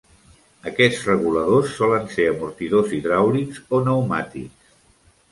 Aquests reguladors solen ser amortidors hidràulics o pneumàtics.